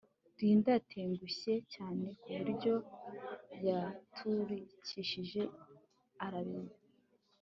Linda yatengushye cyane ku buryo yaturikishije ararira